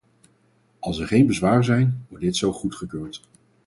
Als er geen bezwaren zijn, wordt dit zo goedgekeurd.